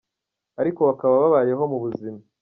ariko bakaba babayeho mu buzima.